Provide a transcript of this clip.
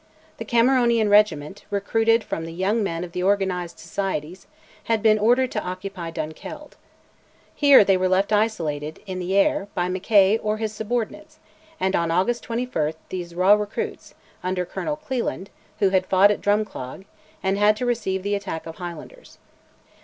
The Cameronian regiment, recruited from the young men of the organised societies, had been ordered to occupy Dunkeld. Here they were left isolated, "in the air," by Mackay or his subordinates, and on August 21 these raw recruits, under Colonel Cleland, who had fought at Drumclog, had to receive the attack of the Highlanders.